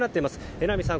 榎並さん